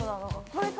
これか。